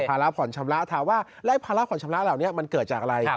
ระผ่อนชำระถามว่าแล้วภาระผ่อนชำระเหล่านี้มันเกิดจากอะไร